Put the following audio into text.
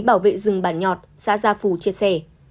bảo vệ rừng bản nhọt xã gia phù chia sẻ